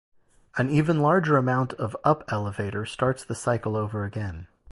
An even larger amount of up elevator starts the cycle over again.